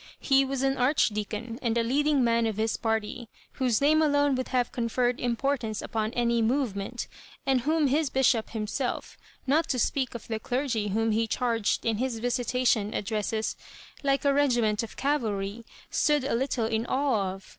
He was an Archdeacon, and a leading man of his party, whose name alone would have conferred importance upon any ''movement," and whom his bishop himself— not to speak of the clergy whom he charged in his visitation addresses like a regiment of cavalry — stood a little in awe of.